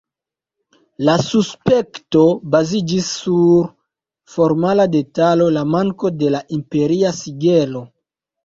La suspekto baziĝis sur formala detalo: "la manko de la imperia sigelo.